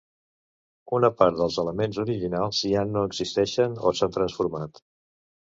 Una part dels elements originals, ja no existeixen o s’han transformat.